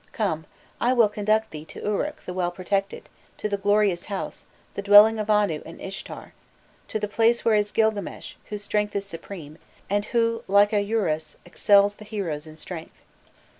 Come, I will conduct thee to Uruk the well protected, to the glorious house, the dwelling of Anu and Ishtar to the place where is Gilgames, whose strength is supreme, and who, like a Urus, excels the heroes in strength."